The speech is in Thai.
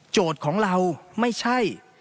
โจทย์ของเราไม่ใช่